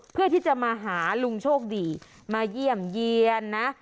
เพื่อที่จะมาหาลุงโชคดีมาเยี่ยมเยี่ยนนะ